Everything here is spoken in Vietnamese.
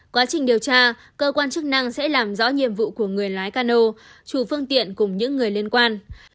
quá trình điều tra cơ quan chức năng sẽ làm rõ nhiệm vụ của người lái cano chủ phương tiện cùng những người liên quan